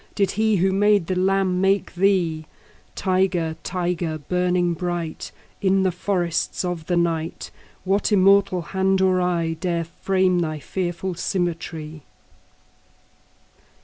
Did He who made the lamb make thee? 20 Tiger, tiger, burning bright In the forests of the night, What immortal hand or eye Dare frame thy fearful symmetry?